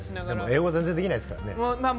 英語全然できないですからね。